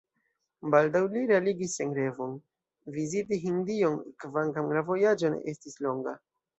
Baldaŭ li realigis sian revon – viziti Hindion, kvankam la vojaĝo ne estis longa.